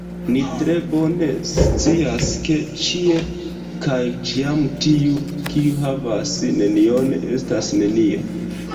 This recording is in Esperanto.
Ni tre bone scias, ke ĉie kaj ĉiam tiu, kiu havas nenion, estas nenio.